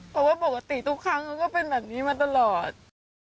เพราะว่าปกติทุกครั้งเขาก็เป็นแบบนี้มาตลอด